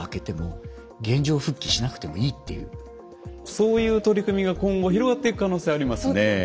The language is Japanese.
そういう取り組みが今後広がっていく可能性ありますね。